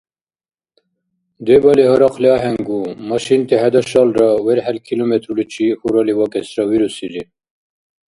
Дебали гьарахъли ахӀенгу, машинти хӀедашалра, верхӀел километрличи хьурали вакӀесра вирусири.